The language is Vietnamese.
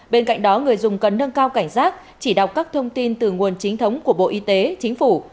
bên cạnh đó người dùng cần nâng cao cảnh giác chỉ đọc các thông tin từ nguồn chính thống của bộ y tế chính phủ